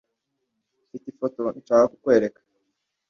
mfite ifoto nshaka kukwereka